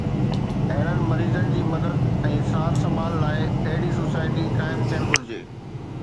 اهڙن مريضن جي مدد ۽ سار سنڀال لاءِ اهڙي سوسائٽي قائم ٿيڻ گهرجي